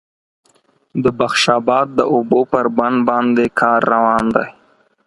د بخش آباد د اوبو پر بند باندې کار روان دی